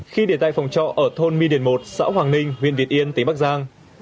khi để tại phòng trọ ở thôn mi điền một xã hoàng ninh huyện việt yên tỉnh bắc giang